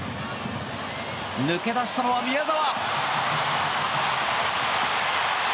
抜け出したのは宮澤。